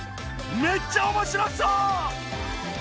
めっちゃおもしろそう！